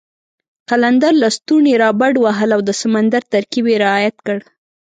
قلندر لسټوني را بډ وهل او د سمندر ترکیب یې رعایت کړ.